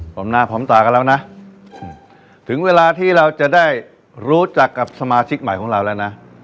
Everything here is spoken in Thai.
พร้อมหน้าพร้อมตากันแล้วนะถึงเวลาที่เราจะได้รู้จักกับสมาชิกใหม่ของเราแล้วนะ